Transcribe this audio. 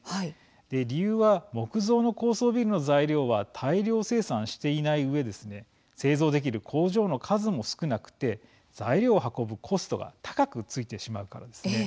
理由は、木造の高層ビルの材料は大量生産していないうえ製造できる工場の数も少なくて材料を運ぶコストが高くついてしまうからです。